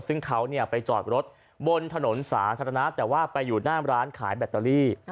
ซึ่งเขาไปจอดรถบนถนนสาธารณะแต่ว่าไปอยู่หน้าร้านขายแบตเตอรี่